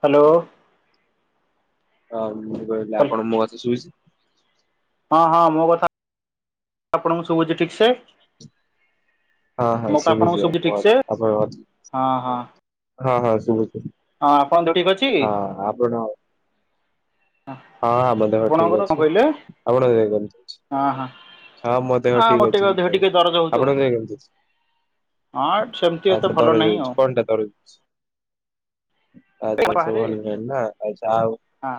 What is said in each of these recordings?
Hello. ହଁ ମୁଁ କହିଲି ଆପଣ ମୋ କଥା ଶୁଭୁଚି ହଁ ହଁ ମୋ କଥା ଆପଣଙ୍କୁ ଶୁଭୁଛି ଠିକ ସେ? ହଁ ହଁ ମୋ କଥା ଶୁଭୁଛି ଆପଣଙ୍କ ସୁବୁଚି ଆପଣ ଠିକସେ? ଆପଣଙ୍କ ହଁ ହଁ। ହଁ ହଁ ଶୁଭୁଛି ହଁ ଆପଣ ଦେହ ଠିକ ଅଛି ହଁ ଆପଣ ହଁ ହଁ ମ ଦେହ ଆପଣଙ୍କର ଠିକ କଣ ଅଛି କହିଲେ ଆପଣଙ୍କ କେମିତି ଅଛି? ହଁ ହଁ ହଁ ମୋ ଦେହ ହଁ ଠିକ ମୋର ଅଛି ଟିକେ ଦେହ ଆଉ ଟିକେ ଦରଜ ହଉଛି ଆପଣଙ୍କ ଯାଇ କେମିତି ଅଛି? ଆଉ ହଁ ସେମିତି ଏତେ ଆଚଛା ଭଲ ନାହିଁ ଆଉ କରାଜାଉଛି କଣଟା ତରଉଛି। ଆଚ୍ଛା ଆଚ୍ଛା ବାହାରେ ଭଲ ହେଲାଣି ନା ଯାହାହଉ। ହଁ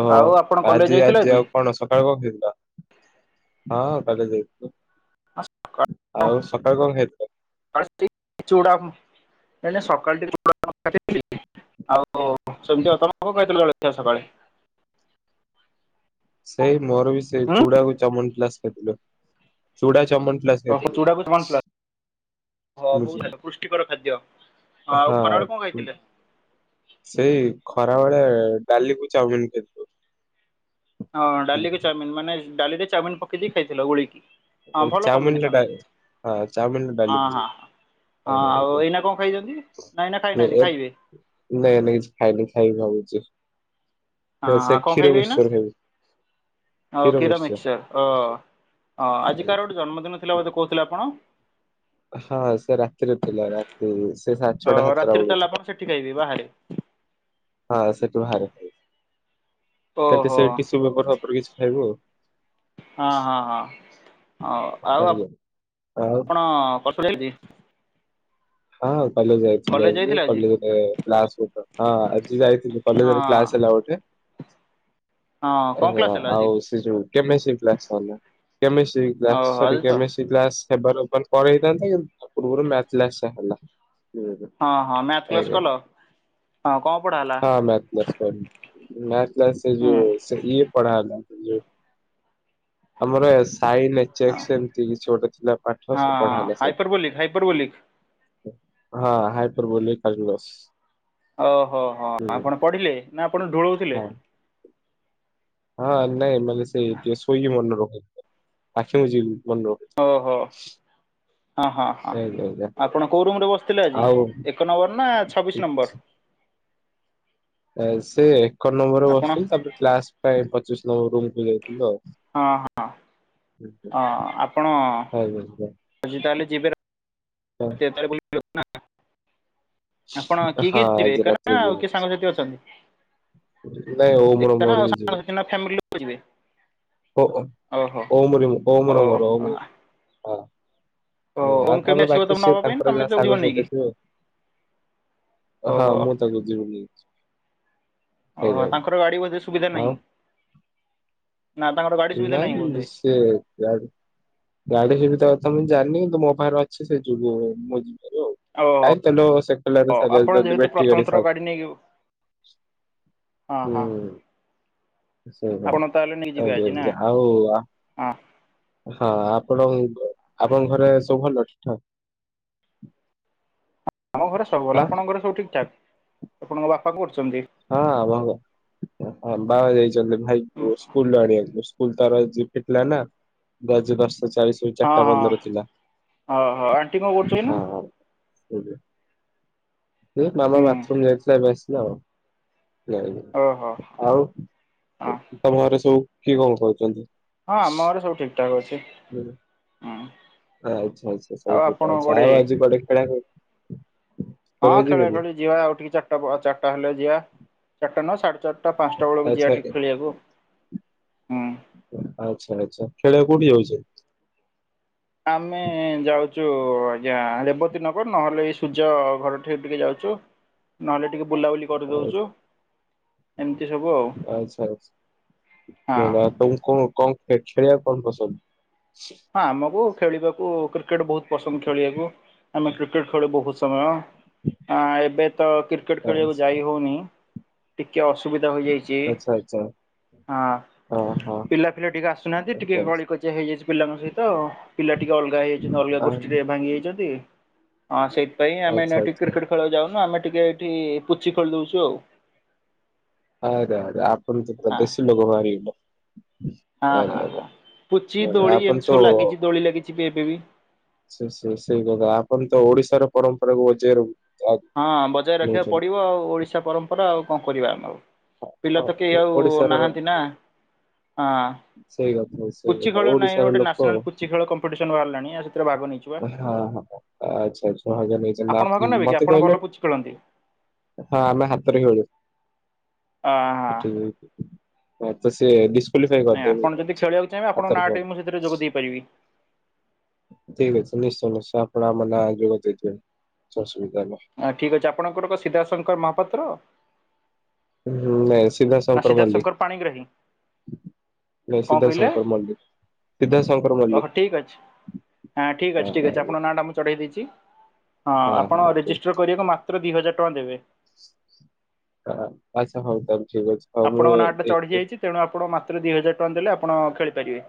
ଓହୋ ଆଉ ଆପଣ କଲେଜ ଆଜି ଯାଇଥିଲେ ଆଜି ଆଉ କଣ ସକାଳୁ ହଉଥିଲ। ହଁ କାଲି ଯାଇଥିଲୁ ଆଉ ସକାଳୁ କଣ ଖାଇଥିଲ? ଚୁଡା ଆଉ କଣ କାହିଁକିନା ସକାଳୁଟିକେ [inaudible] ଆଉ ଓ ସେମିତି ଆପଣ କଣ ଖାଇଥିଲେ ଜଳଖିଆ ସକାଳେ? ସେଇ ମୋର ବି ସେ ଚୁଡା କୁ ଚମନପ୍ଲାସ ଖାଇଥିଲି ଚୁଡ଼ା ଚମନପ୍ଲାସ ଖାଇଥିଲି। ହଁ ବହୁତ ଭଲ ପୁଷ୍ଟିକର ଖାଦ୍ୟ ହଁ ଆଉ ଖରାବେଳେ କଣ ହଁ ଖାଇଥିଲେ ସେଇ ଖରା ବେଳେ ଡାଲି କୁ ଚାଉମିିନ ଖାଇଥିଲୁ। ହଁ ଡାଲି କୁ ଚାଉମିନ ମାନେ ଡାଲି ରେ ଚାଉମିନ ପକେଇକି ଖାଇଥିଲ ଗୋଳେଇକି? ହଁ ଭଲ ଚାଉମିନରେ କମ୍ବିନେସନ୍ ଡା ହଁ ଚାଉମିନରେ ଡାଲି ହଁ ପକେଇ ହଁ। ହଁ ଆଉ ଏଇନା କଣ ଖାଇଛନ୍ତି ନା ଏଇନା ଖାଇନାହାନ୍ତି ଖାଇବେ? ନାଇଁ, ନାଇଁ, କିଛି ଖାଇନି ଖାଇବି ଭାବୁଛି। ହଁ ନାଇଁ, ସେ ଆଉ କଣ କ୍ଷୀର ଖାଇବେ, ଏଇନା ମିକ୍ସଚର ଖାଇବି ଓ କ୍ଷୀର କଷୀର [unintelligible] ମିକ୍ସଚର। ମିକସର ଓ ଆଜି କାହାର ଗୋଟେ ଜନ୍ମଦିନ ଥିଲା ବୋଧେ କହୁଥିଲେ, ଆପଣ ହଁ, ସେ ରାତିରେ ଥିଲା, ରାତି ସେ ସାଢେ ଅ ଛଅଟା ସାତଟା ରାତିରେ ବେଳକୁ ତାହେଲେ ଥିଲା ଆପଣ, ସେଠି ଖାଇବି ବାହାରେ ହଁ ସେଠି ଭାରି ଖାଇବୁ, ସେଠି ଓହୋ ସେଠି ସର ଭ [unintelligible] ଉପରେ କିଛି ଖାଇବୁ ଆଉ ହଁ ହଁ ହଁ ହ ଆଉ ଆଜ୍ଞା। ଆଉ ଆପଣ କସଛି [unintelligible] ହଁ କ ଯାଇଥିଲ ଆ ଆଜି କଲେ୍ ହଁ ଆଜି ଯାଇଥିଲି କଲେ ହଁ କ୍ସ ହେଲାେ [unintelligible] ହଁ କଣ ଆଜ୍ଞା, କ୍ଲାସ ହେଲା ଆଜି? ଆଉ କେମ୍ କେମିଷ୍ଟ୍ର ଗ୍ଲାସ୍, ଓହୋ ସରି ଆଜି ତ କେମିଷ୍ଟ୍ରି ଗ୍ଲାସ୍ ସେ ବର ପଳେଇ ହେଇଥାନ୍ତା କିନ୍ତୁ ତା ପୂର୍ବରୁ ମସ ହେଲା [unintelligible] ହଁ ହଁ ମ୍ୟାଥ ହ କ୍ଲାସ କଲ ହଁ ହଁ କଣ ପଢା ହେଲା? ମଥ୍ଲସ୍ କର [unintelligible] ଥ ସେ ଯୋ ହୁଁ ସେ ଇଏ ପଢ଼ାଲା ଆମର ସାଇନକ୍, ଏମତି କିଛି ଗୋଟେ ଥିଲା। ପାଠ ହଁ, ସେ ପଢା ହେଲା ସେଇଠି। ହାଇପର ବଲିକ, ହାଇପର ବଲିକ ହଁ ହାଇପୁର ବଲ କାଜ ବସ ଓହୋ, ହୋ, ଆପଣ ପଢିଲେ ନା ଆପଣ ଢୁଳଉଥିଲେ ହଁ ହଁ, ନାଇଁ ମାନେ ସେ ଟିକେ ଶୋଇକି ମନେ ରଖ, ଆଖି ମୁ ଯିବୁ [unintelligible] ଓହୋ ହ ହଁ ହଁ ଆଜ୍ଞା ଆଜ୍ଞା ଆପଣ କୋଉ ରୁମ ରେ ବସିଥିଲେ ଆଜି, ଆଉ ଏକ ନମ୍ବର ନା ଛବିଶ ନମ୍ବର? ଏ, ସେ ଏକ ନମ୍ବରରେ ଆପଣ ବସିଥିଲେ, ତାପରେ କ୍ଲାସ ପାଇଁ ପଚିଶ ନମ୍ବର ରୁମକୁ ଯାଇଥିଲେ। ହଁ ହଁ ହଁ, ଆପଣ ଖାଇବା ପିଇବା। ଆଜି ତାହାଲେ ଯିବ ହଁ ତାର ଗ ଲୋକ ନା [unintelligible] ଆପଣ କିଏ କିଏ ଯିବେ? ଆଜି ଏକ ରାତିରେ ନା ଆଉ ଯିବା। କିଏ ସାଙ୍ଗସାଥି ଅଛନ୍ତି ନାଇଁ, [unintelligible] ହଉ ମୁର ଏକା ନା ଆଉ ସାଙ୍ଗସାଥି ନା ଫ୍ୟାମିଲି ଲୋକ ଯିବେ ମରିଇଯିବ ଓହୋ ଓମରି ମରଙ୍ଗ ଓହୋ ମରମରି ହ ଓ [unintelligible] ଆଉ ଓମ୍ କେମିତି ତାପରେ ଆସିବ ବାକି, ତମକୁ ସେ ନବା ପାଇଁ ତାଙ୍କର ତମେ ଯାହା ଯୋଉ ଯିବ ସାଙ୍ଗ ନେଇକି ସାଥି ଥିବ। ହଁ ଓହୋ ମୁଁ ତ ଗଧରିବ ନ [unintelligible] ଓହୋ, ତାଙ୍କର ଗାଡି ବୋଧେ ସୁବିଧା ଆଉ ନାହିଁ। ନା ତାଙ୍କର ଗାଡି ସୁବିଧା ନାହିଁ ନାଇଁ ବୋଧେ ସେ ଗାଡି ସୁବିଧା କଥା ମୁଁ ଜାଣିନି, କିନ୍ତୁ ମୋ ପାଖରେ ଅଛି, ସେ ଯୁଁ ମୁଁ ଯିବ। ଓହୋ କାଇ ତଲ ସୋଇକଲ ଓ ସା ଆପଣ ଯେହେତୁ ବ୍ୟାଟି ପ୍ରଥମ କରି ଥର ସା ଗାଡ଼ି ନେଇକି [unintelligible] ହଁ ହଁ ସେ ଆ ଆପଣ ତାହେଲେ ନେଇଯିବେ ଆଜି ନା ଆଉ ହଁ ହଁ, ଆପଣଙ୍କ, ଆପଣଙ୍କ ଘରେ ସବୁ ଭଲ ଠିକ ଠାକ୍ ଆମ ଘରେ ସବୁ ଭଲ, ଆପଣଙ୍କ ଘରେ ସବୁ ଠିକ ଠାକ୍, ଆପଣଙ୍କ ବାପା କ? ହଁ ଭ ବାବା ଯାଇଛନ୍ତି, ଭାଇ କ ସ୍କୁଲ ଆଣିବାକୁ। ସ୍କୁଲ ତାର ଯ ଫିଟିଲା ନା, ଦ ଦ [unintelligible] ଚାଳିଶରୁ ହଁ ଚାରିଟା ହଁ ବନ୍ଦର ଥିଲା ଓହୋ ଆଣ୍ଟି କଣ କରୁଛନ୍ତି ହ ନା? ମାମା ହୁଁ ବାଥରୁମ ଯଥିଲା, ଏବେ ଆସିଲ ଆଉ ନାଇ, ଓହୋ ଆଉ ହଁ ତମ ଘରେ ସବୁ କିଏ କଣ କହୁଛନ୍ତି? ହଁ, ଆମ ଘରେ ସବୁ ଠିକ ଠାକ ଅଛି। ହୁଁ ଆଚ୍ଛା, ଆଚ୍ଛା, ଆଉ ସବୁ ଆପଣ ଛୋଟ ଅଛ କୁଆଡ଼େ ଆଉ ଆଜି ପଟେ ଖେଳାଳ ହଁ ଖେଳଳି ଖେଳି ଯିବା ଆଉ ଟିକେ ଚାରିଟା, ଚାରିଟା ହେଲେ ଯିବା, ଚାରିଟା ନହ ସାଢେ ଚାରିଟା ଆଟା ପାଞ୍ଚଟା ବେଳକୁ ଯିବା ଆଚ୍ଛା ଠିକ ଖେଳିବାକୁ, ହୁଁ ଆଛା, ଆଛା, ଖେଳିବା କୋଉଠି ଯାଉଛେ? ଆମେ ଯାଉଚୁ। ଚୁ ଆଜ୍ଞା ରେବତୀ ନଗର ନହଲେ ସୂର୍ଯ୍ୟ ଘରିଠିକି ଟିକେ ଯାଉଚୁ ନହେଲେ ଟିକେ ବୁଲାବୁଲି କରିଦଉଚୁ। ଆଛା। ଆଛା। ହଁ। ତ ଆପଣଙ୍କୁ କଣ କଣ କ ହେ ଖେଳିଆକୁ କଣ ପସନ୍ଦ? ହଁ ଆମକୁ ଖେଳିବାକୁ କ୍ରିକେଟ୍ ବହୁତ ପସନ୍ଦ ଖେଳିବାକୁ। ଆମେ କ୍ରିକେଟ ଖେଳୁ ବହୁତ ସମୟ। ଆ ଏବେ ତ କ୍ରିକେଟ ଖେଳିବାକୁ ଆଚ୍ଛା ଯାଇ ହଉନି ଟିକେ ଅସୁବ ସୁବିଧା ହୋଇଯାଇଚି। ଆଚ୍ଛା। ଆଚ୍ଛା। ହଁ ଓହୋ ପିଲା ଫିଲା ଟିକେ ଆସୁନାହାନ୍ତି, ଟିକେ କଳି ଆ କଜିଆ ହେଇଯାଇଚି ପିଲାଙ୍କ ସହିତ ଆଉ। ପିଲା ଟିକେ ଅଲଗା ହେଇଯାଇଚନ୍ତି, ଅଲଗା ଗୋଷ୍ଠୀରେ ଭାଙ୍ଗି ଯାଇଛନ୍ତି। ହଁ ସେଇଥିପାଇଁ ଆମେ ଏଇନା ଟି କ୍ରିକେଟ୍ ଖେଳିବାକୁ ଯାଉନୁ ଆମେ ଟିକେ ଏଇଠି ପୁଚି ଖେଳିଦଉଚୁ ଆଉ। ଆ ଆ ଆପଣ ତ ପୂରା ହଁ ଦେଶୀ ଲୋକ ବାହାରି ଗଲେ। ହଁ ହଁ ହଁ ପୁଚି ଦୋଳି ଏମିତି ସବୁ ଲାଗିଚି, ଦୋଳି ଲାଗିଚି ଏବେ ବି। ସେ ସେ ସେ ସେଇ କଥା ଆପଣ ତ ଓଡିଶାର ପରମ୍ପରାକୁ ବଜେଇ ରଖୁ ହଁ ବଜାୟ ରଖିବାକୁ ପଡିବ ଆଉ। ଓଡିଶା ପରମ୍ପରା ଆଉ କଣ କରିବା ଆମେ ଆଉ। ଅ ପିଲା ତ କେହି ଓ- ଆଉ ଓଡିଶାର ନାହାନ୍ତି ନା, ହଁ। ସେଇ କଥା ସେଇ ପୁଚି କଥା ଖେଳ ନାଇଁ ଓଡିଶାର ଗୋଟେ ଲୋକ ନ୍ୟସନାଲ ପୁଚି ଖେଳ କମ୍ପିଟିସନ ବାହାରିଲାଣି ଆଉ ସେଥିରେ ଭାଗ ନେଇଯିବା। ହଁ ହଁ ଆଚ୍ଛା ଆଚ୍ଛା ଭାଗ ନେଇଛନ୍ତି ଆପ ଆପଣ ଭାଗ ନେବେ କିି ମତେ ଆପଣ କହିଲେ ଭଲ ପୁଚି ଖେଳନ୍ତି। ହଁ ଆମେ ହାତରେ ଖେଳୁ। ଅ ପୁଚି ହଁ ଖେଳ, ତତେ ସେ ଦ କ୍ୱାଲିଫାଇ ନାଇଁ କରି ଦେବି, ଆପଣ ଯଦି ଖେଳିବାକୁ ଚାହିଁବେ ଆପଣଙ୍କ ହାତରେ ନାଁଟି ଖେଳ ମୁଁ ସେଥିରେ ଯୋଗ ଦେଇପାରିବି ଠିକ୍ ଅଛି ନିଶ୍ଚୟ ନିଶ୍ଚୟ ଆପଣ ଆମ ନାଁ [unintelligible] କରି ଦେଇଦେବେ, କିଛି ଅସୁବିଧା ନା ହଁ ଠିକ ଅଛି ଆପଣଙ୍କର ସିଦ୍ଧାନ୍ତ ଶଙ୍କର ମହାପାତ୍ର। ହୁଁ ନାଇ। ନା ସିଦ୍ଧାନ୍ତ ଶଙ୍କର ପାଣିଗ୍ରାହୀ। ନା କଣ ସିଦ୍ଧାନ୍ତ କହିଲେ ଶଙ୍କର ମନ୍ଦିର। ଓହୋ ଠିକ୍ ଅଛି, ହଁ ଠିକ୍ ଅଛି ଠିକ୍ ଅଛି ଆପଣଙ୍କ ନାଁ ଟା ମୁଁ ଚଢ଼େଇ ଦେଇଚି। ହଁ ଆପଣ ରେଜିଷ୍ଟର କରିବାକୁ ମାତ୍ର ଦି ହଜାର ଟଙ୍କା ଦେବେ। ହଁ ଆଛା ହଉ ତାହେଲେ। ଠିକ ଅଛି ହଉ ମୁଁ ଆପଣଙ୍କ ନାଁ ଟା ଏ ଏ ଏ- ଚଢିଯାଇଚି, ତେଣୁ ଆପଣ ମାତ୍ର ଦି ହଜାର ଟଙ୍କା ଦେଲେ ଆପଣ ଖେଳିପାରିବେ।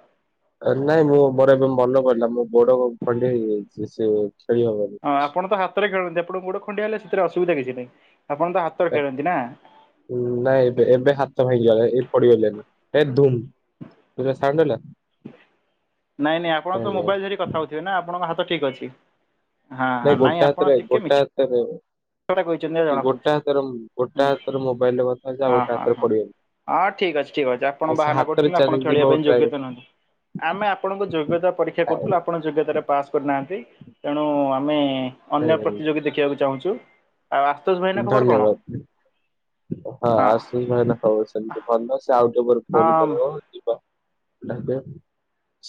ନାଇଁ ମୁଁ ମୋର ଏବେ ମନେ ପଡ଼ିଲା ମୁଁ ଗୋଡ଼ ଖଣ୍ଡିଆ ହେଇଯାଇଚି, ସେ ଖେଳି ହବନି। ହଁ ଆପଣ ତ ହାତରେ ଖେଳନ୍ତି ଆପଣଙ୍କୁ ଗୋଡ ଖଣ୍ଡିଆ ହେଲେ ସେଥିରେ ଅସୁବିଧା କିଛି ନାହିଁ। ଆପଣ ତ ହାତରେ ଖେଳନ୍ତି ନା ନାଇଁ ଏବେ ଏବେ ହାତ ଭାଙ୍ଗିଗଲା, ଏ ପଡିଗଲେ ନା ଏ ଧୁମ। ତୁ ଯା ସାଙ୍ଗ ହେଲ? ନାଇଁ ନାଇଁ ଆପଣ ତ ଭାଙ୍ଗିଗଲା। ମୋବାଇଲ ଧରିିକି କଥା ହଉଥିବେ ନା ଆପଣଙ୍କ ହାତ ଠିକ ଅଛି। ହଁ ହଁ ଗୋଟେ ନାଇଁ ହାତରେ ଆପଣ ଟିକେ ଗୋଟେ ମିଛ ହାତରେ କଥା କହିଛନ୍ତି ଜଣା ପଡୁଛି। ଗୋଟେ ହାତର ଗୋଟେ ହାତରେ ମୋବାଇଲରେ କଥା ହଉଚି ଆଉ ହଁ ଗୋଟେ ହଁ ହାତରେ ହଁ। ପଡିଗଲି। ହଁ ଠିକ ଅଛି ଠିକ ଅଛି ଆପଣ ସେ ବାହାନା ହାତରେ କରୁଚନ୍ତି, ଆପଣ ଖେଳିବା ଚାଲିଯିବାକୁ ପାଇଁ ଟ୍ରାଏ ଯୋଗ୍ୟତା ନୁହନ୍ତି। ଆମେ ଆପଣଙ୍କୁ ଯୋଗ୍ୟତା ପରୀକ୍ଷା କରୁଥିଲୁ ଆପଣ ଯୋଗ୍ୟତାରେ ପାସ୍ କରିନାହା ଆନ୍ତି, ତେଣୁ ଆମେ ଅନ୍ୟ ପ୍ରତିଯୋଗୀ ଦେଖିବାକୁ ଚାହୁଁଚୁ। ଆଉ ଆଶୁତୋଷ ଭାଇନା ଖବର କଣ? ଧନ୍ୟବାଦ। ହଁ ଆଶୁତୋଷ ଭାଇନା ସବୁ ସେମିତି ଭଲ ସେ ଆଉ ଟିକେ ପରେ ଫୋନ କରିବ ହଁ ଯିବା।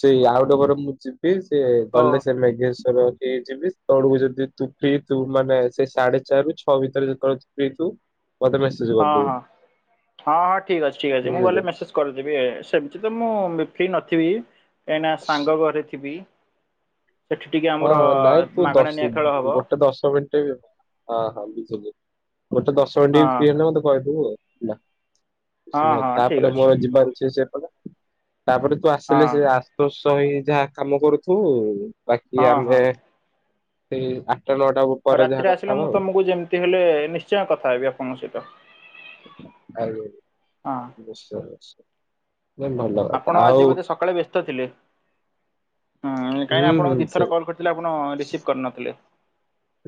ସେ ଆଉ ଗୋଟେ ପରେ ମୁଁ ଯିବି ସେ ଓ ଗଲେ ସେ ମେଗେସ ରଖିକି ଯିବି ତଳକୁ ଯଦି ତୁ ଫ୍ରି ଥିବୁ ମାନେ ସେଇ ସାଢେ ଚାରିରୁ ଛ ଭିତରେ ଯେତେବେଳେ ତୁ ଫ୍ରି ଥିବୁ। ସେଜ୍ ହଁ କରିଦବୁ। ହଁ। ହଁ ହଁ ଠିକ୍ ଅଛି, ଠିକ୍ ଅଛି ମୁଁ ବୁଝିଲୁ। ଗଲେ ମେସେଜ କରିଦେବି ସେମିତି ତ ମୁଁ ଫ୍ରି ନଥିବି କାହିଁକିନା ସାଙ୍ଗ ଘରେ ଥିବି। ସେଠି ଟିକେ ହଁ ଆମର ହଁ ନାଇଁ ତୁ ମାଗଣା ଦଶ ନିଆଁ ଖେଳ ହବ। ଗୋଟେ ଦଶ ମିନିଟ ବି ହଁ ହଁ ବୁଝିଲି ମୋ ତେ ଦଶ ଘଣ୍ ଟ ବି ହଁ ଫ୍ରି ହେଲେ ମତେ କହିଥିବୁ ଆଉ। ହଁ ନାଇ ହଁ ଠିକ୍ ତାପରେ ଅଛି ମୋର ଜୀବନ ସେ ତାପରେ ତୁ ହଁ ଆସିଲେ ସେ ଆଶୋଷ ହେଇ ଯାହା କାମ କରୁଥୁ ବାକି ହଁ ଆମେ ହଁ। ସେ ଆଉ ରାତିରେ ଆସିଲେ, ମୁଁ ତମକୁ ଯେମିତି ହେଲେ ନିଶ୍ଚୟ କଥା ହେବି ଆପଣଙ୍କ ସହିତ ହଁ [unintelligible] ଭଲ କଥା ଆପଣ ଆଉ ଆଜି ବୋଧେ ସକାଳେ ବ୍ୟସ୍ତ ଥିଲେ? ହଁ କାହିଁକି ହୁଁ ନା ହୁଁ ଆପଣଙ୍କୁ ସେ ଦୁଇଥ କଲ୍ କରିଥିଲେ, ଆପଣ ରିସିଭ୍ କରିନଥିଲେ?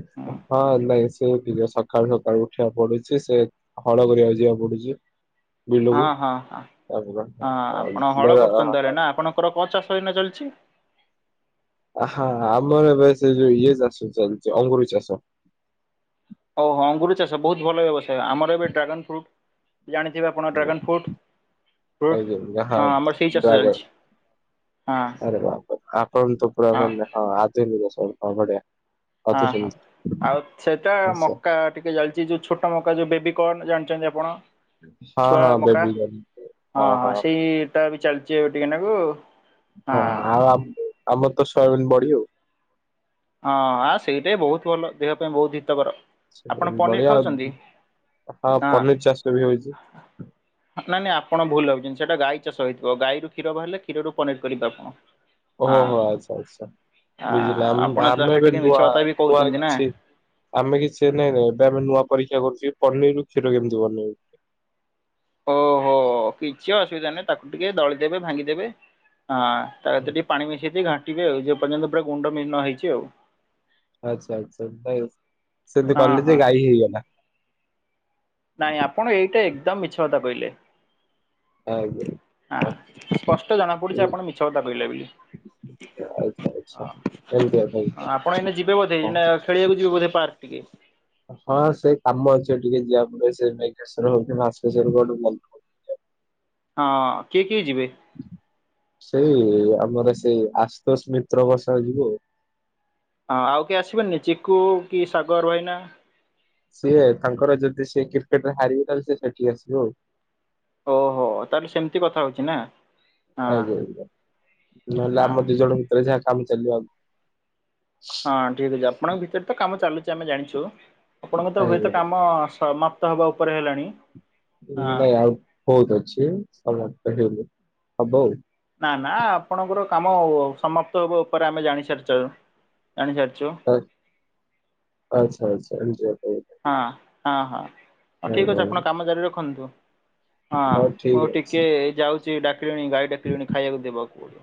ହୁଁ ହଁ ଆ ସେ ସକାଳୁ ସକାଳୁ ଉଠିବାକୁ ପଡୁଛି ସେ ହଳ କରିବାକୁ ଯିବାକୁ ପଡୁଛି। ବିଲକୁ ହଁ ହଁ ହଁ। ତାପରେ ହଁ ଆପଣ ହଳ ଧର କରୁଛନ୍ତି, ତାହଲେ ନା ଆପଣଙ୍କର ପଚାଶ ଦିନ ଚାଲିଛି? ହ ଆମର ବ ଯଉ ଇଏ ଚାଷ ଚାଲିଛି ଅଙ୍ଗୁୁର ଚାଷ ଓ ହୋ ଅଙ୍ଗୁର ଚାଷ ବହୁତ ଭଲ ବ୍ୟବସାୟ ଆମର ଏବେ ଡ୍ରାଗନ୍ ଫ୍ରୁଟ୍ ଜାଣିଥିବେ ଆପଣ ଡ୍ରାଗନ୍ ଫ୍ରୁଟ୍ ଫ୍ରୁଟ୍ ହଁ ଆମର ସେଇ ଚାଷ ଡ୍ରାଗନ ଚାଲିଛି। ହଁ ହଁ ଆରେ ବାପ ଆପଣ ତପଡା ମ ଆଧୁନିକିକ ଶଡେ ହଁ ହଁ ଆଉ ସେଟା ମକା ଟିକେ ଜଲିଛି ଯୋଉ ଛୋଟ ମକା ଯୋଉ ବେବି କଣ ଜାଣିଛନ୍ତି ଆପଣ ହଁ ଛୁଆ ହଁ ମକା ବେବି ହଁ ହଁ ସେଇଟା ବି ଚାଲିଛି ଟିକେନାକୁ ହଁ ଆଉ ଆମର ତ ଶୟବିନ ବଢି ଆଉ। ହଁ ସେଇଟା ବହୁତ ଭଲ ଦେହ ପାଇଁ ବହୁତ ହିତକର। ଆପଣ ସେ ପନିର ବଢିଆ ଖାଉଛନ୍ତି? ହଁ ପନିର ଚାଷ ବି ହଉଛି। ନାଇଁ ନାଇଁ ଆପଣ ଭଲାଗାବୁଛନ୍ତି ସେଇଟା ଗାଈ ଚାଷଇଥିବ ଗଈ କ୍ଷର ବାହାରିଲେ କ୍ଷୀରୁ ପନିର କରିବେ ଆପଣ। ହଁ ଓହୋ ଆଚ୍ଛା ଆଛା ବୁଝିଲା ଆପଣ ଆମେ ତାହେଲେ ଏବେ ଟିକେ ମିଛ ନୂଆ କଥା ବି ନୂଆ କହୁଛନ୍ତି ନା। କିଛି ଆମେ କିଛି ନାଇଁ ନହି ଏବେ ଆମେ ନୂଆ ପରୀକ୍ଷା କରୁଥିଲେ ପର୍ ନି ରୂପକ୍ଷିଟ କେନ୍ଦ୍ରବର୍ଣ ରକ୍ଷେ ଓହୋ କିଛି ଅସୁବିଧା ନାହିଁ, ତାକୁ ଟିକେ ଦଳିଦେବେ ଭାଙ୍ଗିଦେବେ ହଁ ତାରେ ଟିକେ ପାଣି ମିଶେଇ ଘାଣ୍ଟିବେ ଆଉ ଯେ ପର୍ଯ୍ୟନ୍ତ ପୁରା ଗୁଣ୍ଡ ବିହନ ହେଇଛି ଆଉ। ଆଚ୍ଛା ଆଚ୍ଛା ସେଦି ହଁ କିଲ ହଁ ଯେ ଗାଈ ହେଇଗଲା। ନାଇଁ ଆପଣ ଏଇଟା ଏକଦମ ମିଛ କଥା କାଇଲେ? ଆଜ୍ଞା। ହ ଆଉ ସ୍ପଷ୍ଟ ଜଣା ପଡୁଛି, ଆପଣ ମିଛ କଥା କହିଲେ ବୋଲି। [unintelligible] ଏମିତି କଥା କି ହଁ ଆପଣ ଏଇ ଯିବେ ବୋଧେ, ହଁ। ଖେଳିବାକୁ ଯିବେ ବୋଧେ ପାର୍କ ଟିକେ? ହଁ ସେ କାମ ଅଛି ଟିକେ ଯିବା ପ ସେ [unintelligible] [inaudible] ହଁ କିଏ କିଏ ଯିବେ? ସେଇ ଆମର ସେଇ ଆଶୁଷ ମିତ୍ର ବସା ଯିବୁ। ହଁ ଆଉ କିଏ ଆସିବନନି ଚିକୁ କି ସାଗର ଭାଇନା? ସିଏ ତାଙ୍କର ଯଦି ସେ କ୍ରିକେଟ ରେ ହାରିବେ, ତାହେଲେ ସେ ସେଠି ଆସିବ ଆଉ। ଓହୋ ତାହେଲେ ସେମିତି କଥା ହଉଛି ନା। ହଁ ଆଜ୍ଞା ଆଜ୍ଞା ନହେଲେ ହଁ। ଆମ ଦି ଜଣ ଭିତରେ ଯାହା କାମ ଚାଲିବ ଆଉ। ହଁ ଠିକ ଅଛି ଆପଣଙ୍କ ଭିତରେ ତ କାମ ଚାଲୁଛି, ଆମେ ଜାଣିଛୁ ଆପଣଙ୍କ ତ ଆଜ୍ଞା। ହୁଏତ କାମ ସମାପ୍ତ ହବା ଉପରେ ହେଲାଣି। ହଁ। ନାଇଁ ଆଉ ବହୁତ ଅଛି, ସମସ୍ତ ହେନ ହବ ଆଉ। ନା ନା ଆପଣଙ୍କର କାମ ସମାପ୍ତ ହେବା ଉପରେ ଆମେ ଜାଣି ସାରିଚ। ଆ ଆଚ୍ଛା ଆଚ୍ଛା ଏ ହଁ ହଁ ହଁ ହଉ ଠିକ ଅଛି, ଆପଣ କାମ ଜାରି ରଖନ୍ତୁ। ହଁ ହଉ ମୁଁ ଠିକ ଅଛି। ଟିକେ ଯାଉଛି ଡାକିଲେଣି ଗାଈ ଡାକିଲେଣି ଖାଇବାକୁ ଦେବାକୁ ପଡ଼ିବ।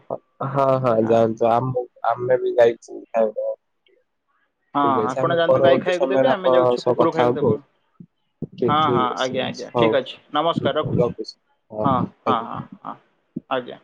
ହଁ ହଁ ଜାଆନ୍ତୁ ଆ ଆମେ ବି ଯାଇଛୁ। ଓହୋ। ହଁ ଆପଣ ଯାଆନ୍ତୁ ଗାଈ ଖାଇବାକୁ ସମୟରେ ଦେବେ ଆମେ ଆପଣଙ୍କ ଯାଉଛୁ ସହ କୁକୁର କଥା ଖାଇବାକୁ ହବୁ ଦେବୁ। ଆଉ। ଠିକ ହଁ ଠିକ ହଁ ଅଛି ଆଜ୍ଞା ଆଜ୍ଞା ହଉ ଠିକ୍ ଅଛି ନମସ୍କାର ରଖୁଛି ହଁ ହଁ ହଁ ହଁ। ଆଜ୍ଞା।